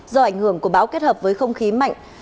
do ảnh hưởng của bão kết hợp với không khí mạnh